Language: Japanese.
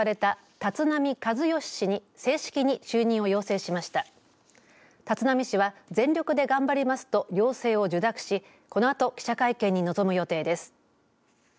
立浪氏は、全力で頑張りますと要請を受諾し、このあと記者会見に臨む予定です。